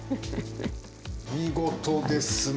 見事ですね。